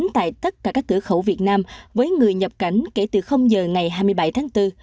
tại tất cả các cửa khẩu việt nam với người nhập cảnh kể từ giờ ngày hai mươi bảy tháng bốn